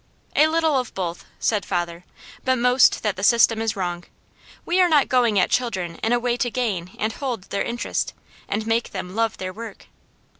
"A little of both," said father, "but most that the system is wrong. We are not going at children in a way to gain and hold their interest, and make them love their work.